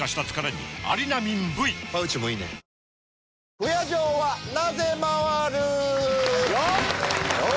「不夜城はなぜ回る」よっ！